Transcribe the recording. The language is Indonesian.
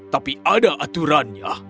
tapi ada aturannya